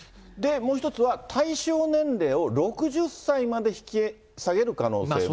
もう１つは対象年齢を６０歳まで引き下げる可能性も。